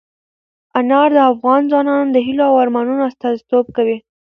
انار د افغان ځوانانو د هیلو او ارمانونو استازیتوب کوي.